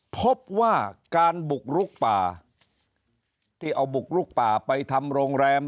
พบว่าการบุกลุกป่าที่เอาบุกลุกป่าไปทำโรงแรม